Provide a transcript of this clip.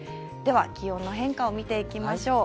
気温の変化を見ていきましょう。